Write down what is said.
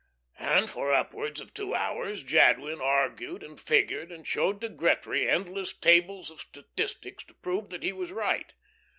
And for upwards of two hours Jadwin argued and figured, and showed to Gretry endless tables of statistics to prove that he was right.